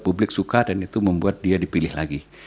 publik suka dan itu membuat dia dipilih lagi